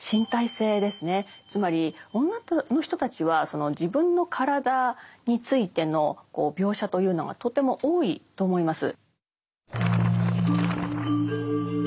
つまり女の人たちはその自分の体についての描写というのがとても多いと思います。